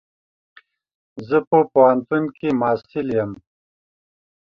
زه په پوهنتون کي محصل يم.